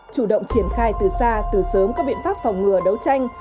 chủ động triển khai từ xa từ sớm các biện pháp phòng ngừa đấu tranh